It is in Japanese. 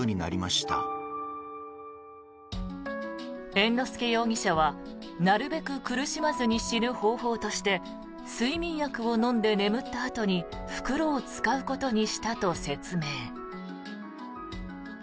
猿之助容疑者はなるべく苦しまずに死ぬ方法として睡眠薬を飲んで眠ったあとに袋を使うことにしたと説明。